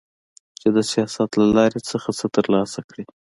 چي د سياست له لارې هغه څه ترلاسه کړي